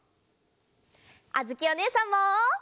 あづきおねえさんも！